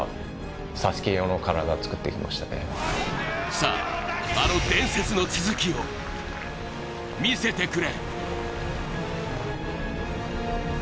さあ、あの伝説の続きを見せてくれ。